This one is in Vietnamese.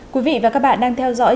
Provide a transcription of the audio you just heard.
quý vị và các bạn đang theo dõi